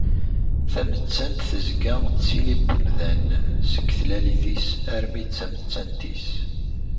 Tamettant tezga d tili n umdan seg tlalit-is, armi d tamettant-is.